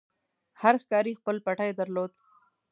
هر ښکاري خپل پټی درلود.